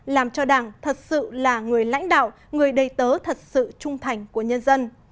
làm cho đảng thật sự là người lãnh đạo người đầy tớ thật sự trung thành của nhân dân